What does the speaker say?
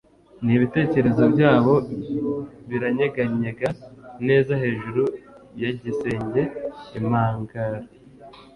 nibitekerezo byabo biranyeganyega neza hejuru ya gisenge impagara